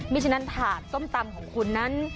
ฉะนั้นถาดส้มตำของคุณนั้น